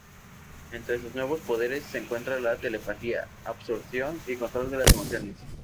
Entre sus nuevos poderes se encuentra la telepatía, absorción y control de las emociones.